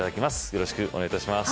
よろしくお願いします。